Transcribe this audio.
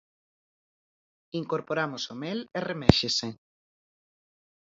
Incorporamos o mel e reméxese.